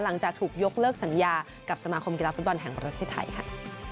หลังจากถูกยกเลิกสัญญากับสมาคมกีฬาฟุตบอลแห่งประเทศไทยค่ะ